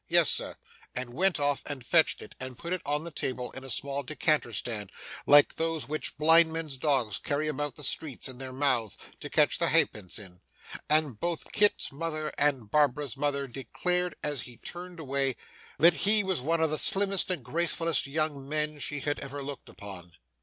Yes, sir,' and went off and fetched it, and put it on the table in a small decanter stand, like those which blind men's dogs carry about the streets in their mouths, to catch the half pence in; and both Kit's mother and Barbara's mother declared as he turned away that he was one of the slimmest and gracefullest young men she had ever looked upon.